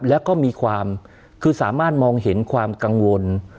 แล้วก็มีความคือสามารถมองเห็นความกังวล